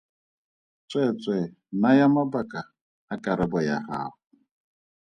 Tsweetswee naya mabaka a karabo ya gago.